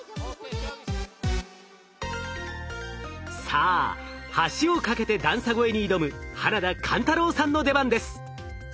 さあ橋を架けて段差越えに挑む花田勘太郎さんの出番です。